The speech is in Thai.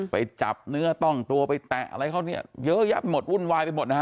ไปจับเนื้อต้องไปตะอะไรอ่ะเยอะแยะไปหมดวุ่นวายไปหมด